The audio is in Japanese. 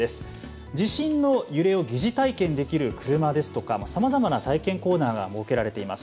地震の揺れを疑似体験できる車などさまざまな体験コーナーが設けられています。